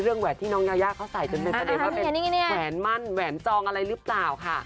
แหวนที่น้องยายาเขาใส่จนเป็นประเด็นว่าเป็นแหวนมั่นแหวนจองอะไรหรือเปล่าค่ะ